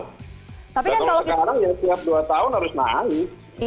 kalau sekarang ya tiap dua tahun harus naik